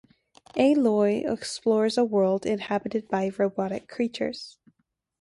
Aloy explores a world inhabited by robotic creatures.